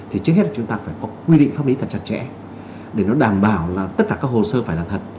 trước hết là chúng ta phải có quy định pháp lý thật chặt chẽ để đảm bảo tất cả các hồ sơ phải là thật